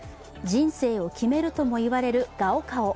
人生を決めるともいわれる高考。